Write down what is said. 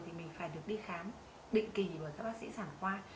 thì mình phải được đi khám định kỳ bởi các bác sĩ giảng khoa